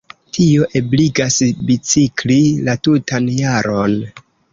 Tio ebligas bicikli la tutan jaron.